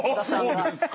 そうですか。